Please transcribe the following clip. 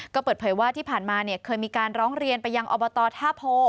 ก็เปิดเผยว่าที่ผ่านมาเนี่ยเคยมีการร้องเรียนไปยังอบตท่าโพ